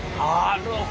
なるほど。